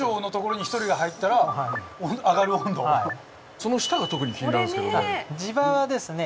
その下が特に気になるんです。